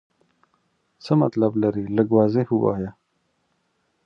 څه مطلب لرې ؟ لږ واضح ووایه.